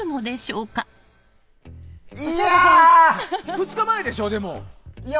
２日前でしょ、でも？